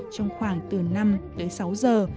trong khoảng từ năm đến sáu giờ